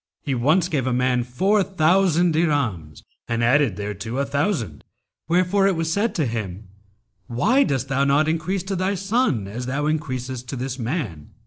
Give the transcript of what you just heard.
He once gave a man four thousand dirhams and added thereto a thousand, wherefore it was said to him, 'Why dost thou not increase to thy son as thou increasest to this man?'